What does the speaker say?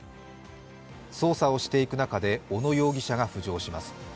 捜査をしていく中で、小野容疑者が浮上します。